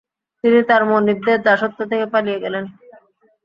তিনি তাঁর মনিবদের দাসত্ব থেকে পালিয়ে গেলেন।